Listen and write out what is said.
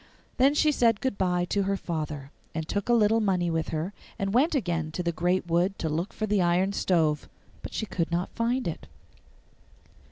Then she said good bye to her father, and took a little money with her, and went again into the great wood to look for the iron stove; but she could not find it.